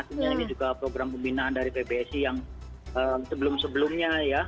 artinya ini juga program pembinaan dari pbsi yang sebelum sebelumnya ya